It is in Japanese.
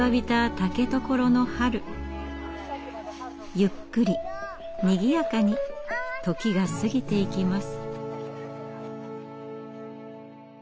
ゆっくりにぎやかに時が過ぎていきます。